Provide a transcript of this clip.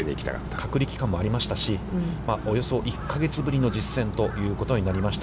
隔離期間もありましたしおよそ１か月ぶりの実戦ということになりました。